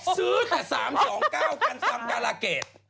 ซื้อแต่๓๒๙กัน๓นาลาเกศ